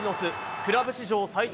クラブ史上最多